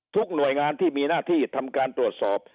หน่วยงานที่มีหน้าที่ทำการตรวจสอบ